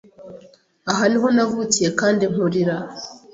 Aha niho navukiye kandi nkurira.